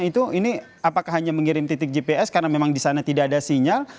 itu ini apakah hanya mengirim titik gps karena memang di sana tidak ada sinyal